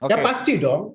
ya pasti dong